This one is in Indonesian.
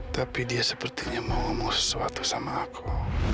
tapi dia sepertinya mau ngomong sesuatu sama aku